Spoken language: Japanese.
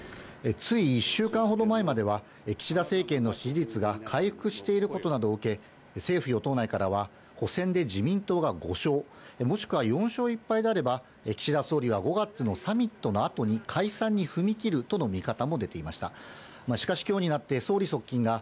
つい１週間ほど前までは、岸田政権の支持率が回復していることなどを受け、政府・与党内からは、補選で自民党が５勝、もしくは４勝１敗であれば、岸田総理は５月のサミットのあとに解散に踏み切るとの見方も出て一気にブレーキを踏む発言が相次いでいます。